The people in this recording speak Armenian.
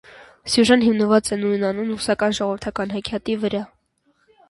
Սյուժեն հիմնված է նույնանուն ռուսական ժողովրդական հեքիաթի վրա։